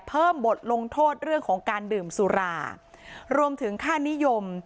เพิ่มบทลงโทษเรื่องของการดื่มสุรารวมถึงค่านิยม